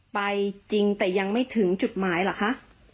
จริงแต่ยังไม่ถึงจุดหมายเหรอคะ